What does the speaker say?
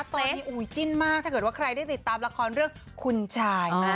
ตอนนี้จิ้นมากถ้าเกิดว่าใครได้ติดตามละครเรื่องคุณชายนะ